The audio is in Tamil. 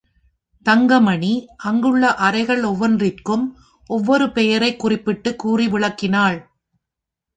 தங்கமணி அங்குள்ள அறைகள் ஒவ்வொன்றிற்கும், ஒவ்வொரு பெயரை குறிப்பிட்டு கூறி விளக்கினாள்.